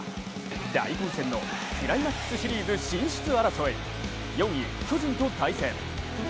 大混戦のクライマックスシリーズ進出争い４位・巨人と対戦。